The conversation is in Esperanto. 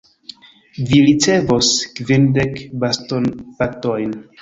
Vi ricevos kvindek bastonbatojn.